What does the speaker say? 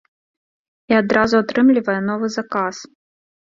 І адразу атрымлівае новы заказ.